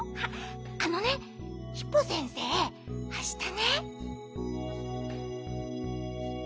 あのねヒポ先生あしたね。